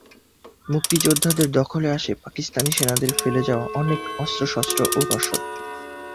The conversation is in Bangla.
মুক্তিযোদ্ধাদের দখলে আসে পাকিস্তানি সেনাদের ফেলে যাওয়া অনেক অস্ত্রশস্ত্র ও রসদ।